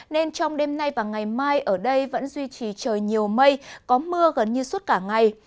nên trong đêm nay và ngày mai ở đây vẫn duy trì trời nhiều mây có mưa gần như suốt cả ngày